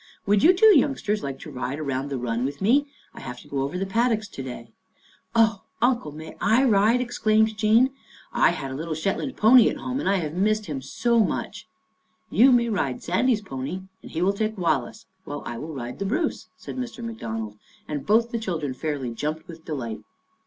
Would you two youngsters like to ride around the run with me? I have to go over to the paddocks to day." "Oh, Uncle, may I ride?" exclaimed Jean. Life at Djerinallum 53 " I had a little Shetland pony at home and I have missed him so much." " You may ride Sandy's pony, and he will take Wallace, while I will ride ' The Bruce,' " said Mr. McDonald, and both the children fairly jumped with delight.